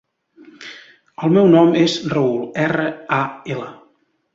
El meu nom és Raül: erra, a, ela.